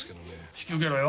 引き受けろよ。